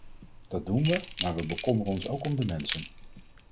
Dat doen we, maar we bekommeren ons ook om de mensen.